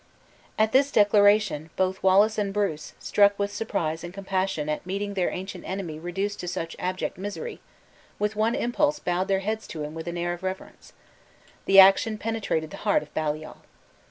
At this declaration, both Wallace and Bruce, struck with surprise and compassion at meeting their ancient enemy reduced to such abject misery, with one impulse bowed their heads to him with an air of reverence. The action penetrated the heart of Baliol.